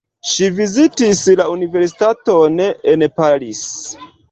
Ŝi vizitis la universitaton en Paris.